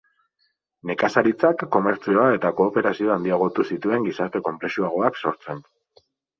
Nekazaritzak komertzioa eta kooperazioa handiagotu zituen gizarte konplexuagoak sortzen.